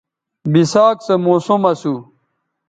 بِساک سو موسم اسو